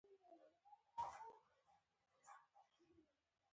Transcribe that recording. که څوک ډېر په ژوندانه کې غیبت او اوازې کوي.